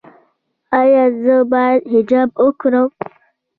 ایا زه باید حجاب وکړم؟